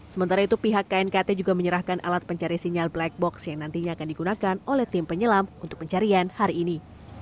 sementara itu pihak knkt juga menyerahkan alat pencari sinyal black box yang nantinya akan digunakan oleh tim penyelam untuk pencarian hari ini